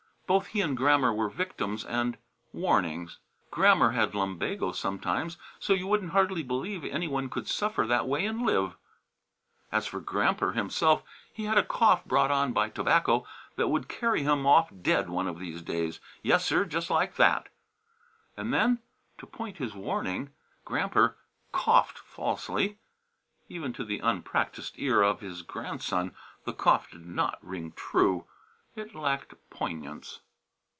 Both he and Grammer were victims and warnings. Grammer had lumbago sometimes so you wouldn't hardly believe any one could suffer that way and live. As for Gramper himself, he had a cough brought on by tobacco that would carry him off dead one of these days; yes, sir, just like that! And then, to point his warning, Gramper coughed falsely. Even to the unpractised ear of his grandson the cough did not ring true. It lacked poignance.